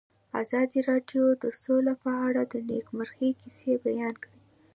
ازادي راډیو د سوله په اړه د نېکمرغۍ کیسې بیان کړې.